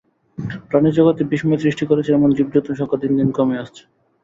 প্রাণিজগতে বিস্ময় সৃষ্টি করেছে এমন জীবজন্তুর সংখ্যা দিন দিন কমে আসছে।